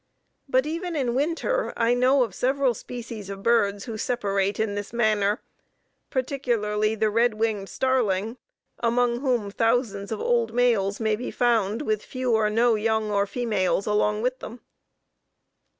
But even in winter I know of several species of birds who separate in this manner, particularly the red winged starling, among whom thousands of old males may be found with few or no young or females along with them.